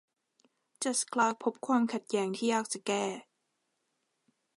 จัดจ์คลาร์คพบความขัดแย้งที่ยากจะแก้